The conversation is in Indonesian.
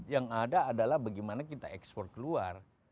yang ada adalah bagaimana kita ekspor keluar